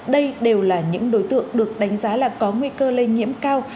đây đều là những đối tượng được đánh giá là có nguy cơ lây nhiễm cao